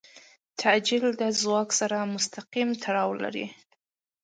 تعجیل د ځواک سره مستقیم تړاو لري.